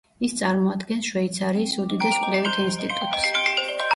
ის წარმოადგენს შვეიცარიის უდიდეს კვლევით ინსტიტუტს.